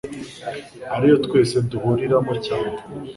ariyo twese duhuriramo cyane